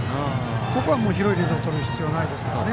ここは広いリードとる必要がないですからね。